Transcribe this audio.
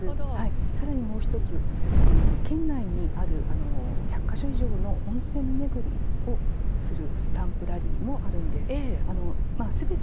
さらにもう１つ県内にある１００か所以上の温泉巡りをするスタンプラリーもあるんです。